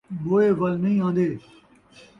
موئے ول نئیں آن٘دے